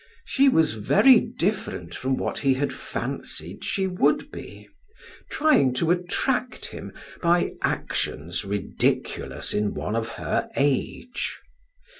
She was very different from what he had fancied she would be, trying to attract him by actions ridiculous in one of her age.